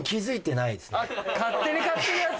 あっ勝手に買ってるやつ？